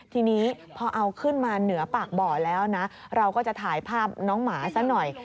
ทีนี้พอเอาขึ้นมาเหนือปากบ่อแล้วนะเราก็จะถ่ายภาพน้องหมาซะหน่อย